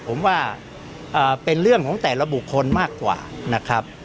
ผมว่าเป็นเรื่องของแต่ละบุคคลมากกว่านะครับ